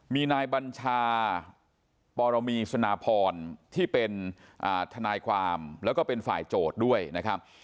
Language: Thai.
มีนายบัญชาปรมีสนาพรที่เป็นทนายความแล้วก็เป็นฝ่ายโจทย์ด้วยนะครับ